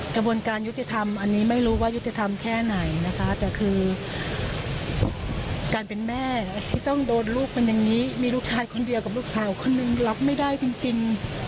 กระบวนการยุติธรรมอันนี้ไม่รู้ว่ายุติธรรมแค่ไหนนะคะแต่คือการเป็นแม่ที่ต้องโดนลูกเป็นอย่างนี้มีลูกชายคนเดียวกับลูกสาวคนนึงรับไม่ได้จริง